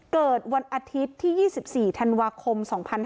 เกิดวันอาทิตย์ที่๒๔ธันวาคม๒๕๕๙